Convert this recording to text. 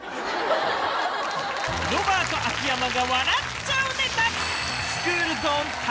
ロバート・秋山が笑っちゃうネタ。